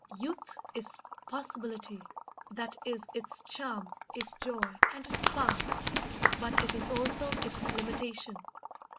Youth is possibility; that is its charm, its joy, and its power; but it is also its limitation.